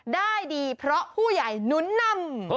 ได้ดีเพราะผู้ใหญ่นุนนำ